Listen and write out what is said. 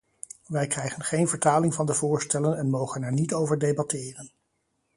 Wij krijgen geen vertaling van de voorstellen en mogen er niet over debatteren.